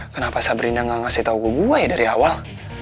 kenapa sabrina gak ngasih tau gue ya dari awal